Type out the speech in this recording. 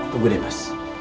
tunggu deh bes